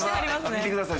見てください